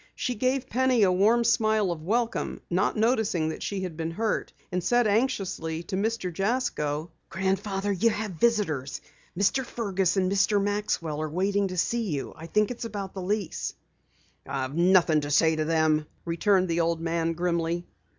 She gave Penny a warm smile of welcome, not noticing that she had been hurt, and said anxiously to Mr. Jasko: "Grandfather, you have visitors. Mr. Fergus and Mr. Maxwell are waiting to see you. I think it's about the lease." "I've nothing to say to them," returned the old man grimly.